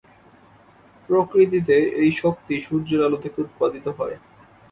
প্রকৃতিতে এই শক্তি সূর্যের আলো থেকে উৎপাদিত হয়।